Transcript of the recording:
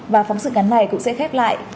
và phóng sự ngắn này cũng sẽ khép lại